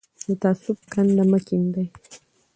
د تعصب کنده مه کیندئ.